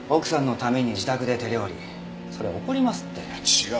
違う。